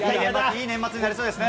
いい年末になりそうですね。